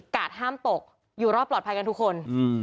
ห้ามตกอยู่รอดปลอดภัยกันทุกคน